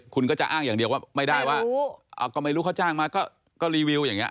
คุณก็จะอ้างอย่างเดียวว่าไม่ได้ว่าก็ไม่รู้เขาจ้างมาก็รีวิวอย่างนี้